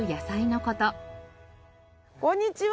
こんにちは。